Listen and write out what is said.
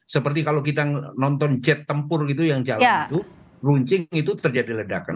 seperti kalau kita nonton jet tempur gitu yang jalan itu runcing itu terjadi ledakan